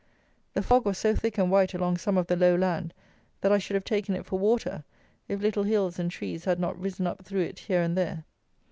The fog was so thick and white along some of the low land, that I should have taken it for water, if little hills and trees had not risen up through it here and there.